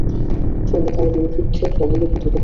ফলে তারা দুর্ভিক্ষের কবলে পতিত হয়।